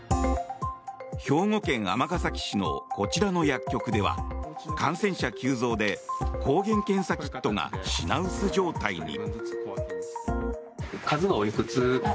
兵庫県尼崎市のこちらの薬局では感染者急増で抗原検査キットが品薄状態に。